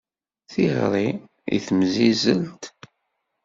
Tiɣri i temsizzelt.